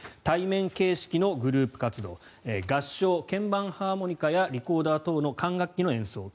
対面形式のグループ活動合唱、鍵盤ハーモニカやリコーダー等の管楽器の演奏。